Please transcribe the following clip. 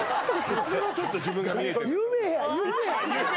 それはちょっと自分が見えて夢？